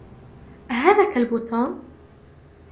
أهذا كلب توم ؟